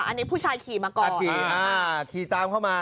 อันนี้ผู้ชายขี่มาก่อนขี่ตามเข้ามา